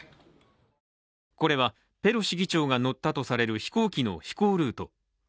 これはペロシ議長が乗ったとされる飛行機の飛行ルート。